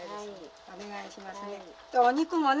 お願いしますね。